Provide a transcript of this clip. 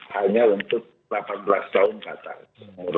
hanya untuk delapan belas tahun ke atas